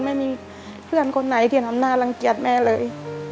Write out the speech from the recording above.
ไม่มีเพื่อนคนไหนที่ทำน่ารังเกียจแม่เลย